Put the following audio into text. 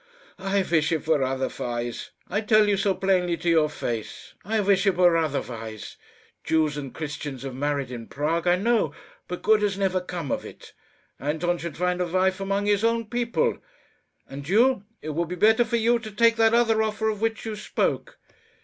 "I wish it were otherwise. I tell you so plainly to your face. I wish it were otherwise. Jews and Christians have married in Prague, I know, but good has never come of it. Anton should find a wife among his own people; and you it would be better for you to take that other offer of which you spoke."